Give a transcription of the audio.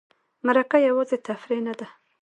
مرکه یوازې تفریح نه ده.